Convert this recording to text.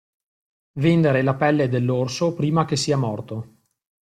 Vendere la pelle dell'orso prima che sia morto.